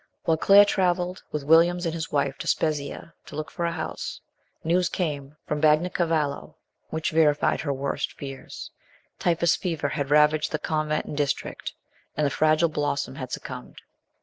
While Claire travelled with Williams and his wife to Spezzia to look for a house, news came from Bagnacavallo which verified her worst fears. Typhus fever had ravaged the convent and district, and the fragile blossom had succumbed.